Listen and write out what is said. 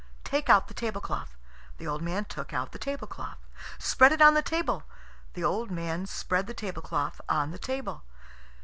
"Take out the tablecloth." The old man took out the tablecloth. "Spread it on the table." The old man spread the tablecloth on the table.